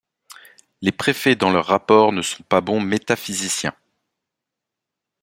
Les préfets dans leurs rapports ne sont pas bons métaphysiciens.